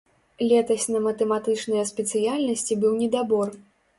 Летась на матэматычныя спецыяльнасці быў недабор.